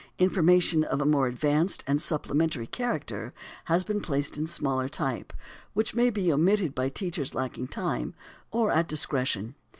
Information of a more advanced and supplementary character has been placed in smaller type, which may be omitted by teachers lacking time, or at discretion.